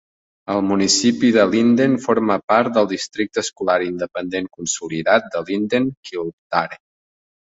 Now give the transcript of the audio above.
El municipi de Linden forma part del districte escolar independent consolidat de Linden-Kildare.